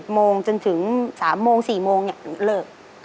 ๑๐โมงจนถึง๓โมง๔โมงเริ่ม